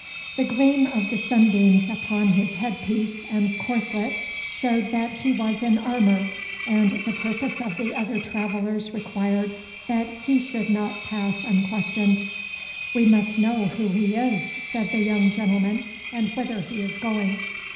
The gleam of the sunbeams upon his head piece and corslet showed that he was in armour, and the purpose of the other travellers required that he should not pass unquestioned. "We must know who he is," said the young gentleman, "and whither he is going."